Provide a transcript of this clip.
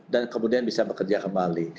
dan kemudian bisa bekerja kembali